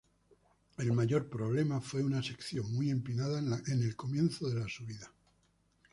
El mayor problema fue una sección muy empinada en el comienzo de la subida.